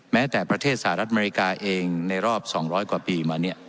แม้แต่ประเทศสหรัฐอเมริกาเองในรอบ๒๐๐กว่าปีมา